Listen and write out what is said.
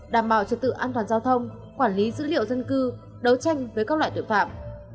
đảm bảo trật tự an toàn giao thông quản lý dữ liệu dân cư đấu tranh với các loại tội phạm